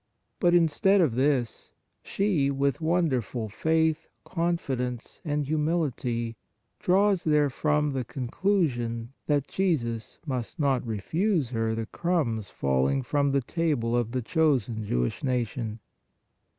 But instead of this she with wonderful faith, confidence and humility, draws therefrom the conclusion that Jesus must not refuse her the crumbs falling from the table of the chosen Jewish nation.